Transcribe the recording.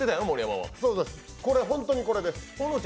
本当にこれです。